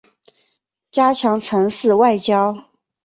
加强城市外交